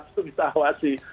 itu bisa awasi